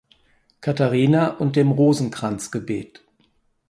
Katharina und dem Rosenkranzgebet.